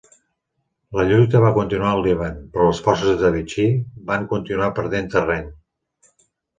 La lluita va continuar al Líban, però les forces de Vichy van continuar perdent terreny.